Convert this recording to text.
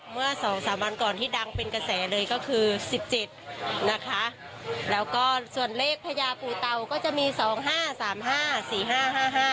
เมื่อสองสามวันก่อนที่ดังเป็นกระแสเลยก็คือสิบเจ็ดนะคะแล้วก็ส่วนเลขพญาปูเตาก็จะมีสองห้าสามห้าสี่ห้าห้าห้า